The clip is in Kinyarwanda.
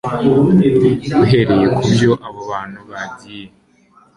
uhereye ku byo abo bantu bagiye